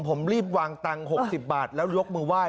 ผมรีบวางตังค์๖๐บาทแล้วยกมือไห้